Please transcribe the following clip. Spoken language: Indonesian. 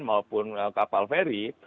maupun kapal ferry